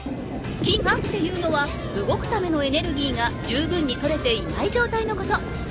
「きが」っていうのは動くためのエネルギーがじゅうぶんに取れていないじょうたいのこと。